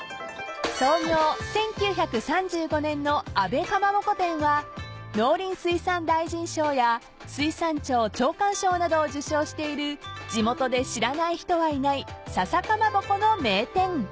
［創業１９３５年の阿部蒲鉾店は農林水産大臣賞や水産庁長官賞などを受賞している地元で知らない人はいない笹かまぼこの名店］